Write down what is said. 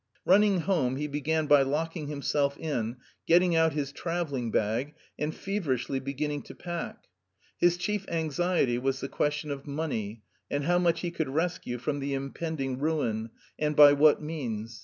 Running home, he began by locking himself in, getting out his travelling bag, and feverishly beginning to pack. His chief anxiety was the question of money, and how much he could rescue from the impending ruin and by what means.